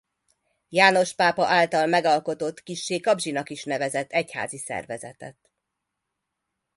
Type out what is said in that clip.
János pápa által megalkotott kissé kapzsinak is nevezett egyházi szervezetet.